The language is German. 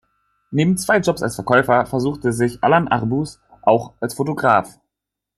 Neben zwei Jobs als Verkäufer versuchte sich Allan Arbus auch als Fotograf.